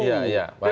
ya ya baik